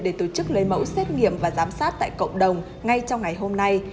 để tổ chức lấy mẫu xét nghiệm và giám sát tại cộng đồng ngay trong ngày hôm nay